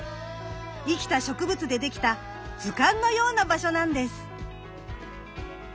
生きた植物でできた図鑑のような場所なんです。